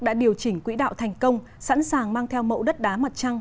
đã điều chỉnh quỹ đạo thành công sẵn sàng mang theo mẫu đất đá mặt trăng